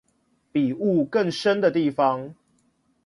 比霧更深的地方